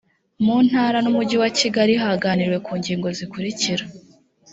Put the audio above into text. mu ntara n umujyi wa kigali haganiriwe ku ngingo zikurikira